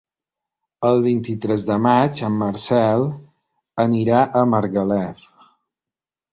El vint-i-tres de maig en Marcel anirà a Margalef.